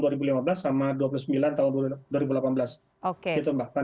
oke baik berarti ada yang berbentuk aset begitu seperti tadi